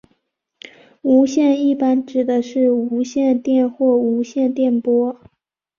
无线一般指的是无线电或无线电波。